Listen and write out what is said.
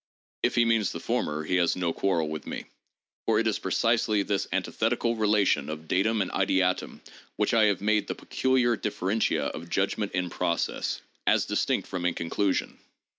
If he means the former, he has no quarrel with me, for it is precisely this antithetical relation of datum and ideatum which I have made the peculiar differentia of judgment in process, as dis tinct from inconclusion.